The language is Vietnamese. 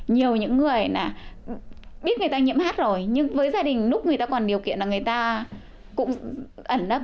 nhiều những người nè biết người ta nhiễm hát rồi nhưng với gia đình lúc người ta còn điều kiện là người ta cũng ẩn đất